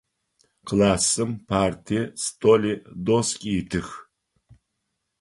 Классым парти, столи, доски итых.